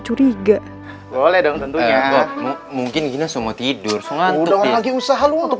curiga boleh dong tentunya mungkin gini semua tidur selalu lagi usaha untuk